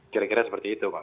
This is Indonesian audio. kira kira seperti itu